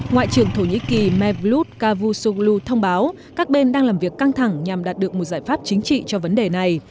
ngoại trưởng thổ nhĩ kỳ mevlut cavusoglu thông báo các bên đang làm việc căng thẳng nhằm đạt được một giải pháp chính trị cho vấn đề này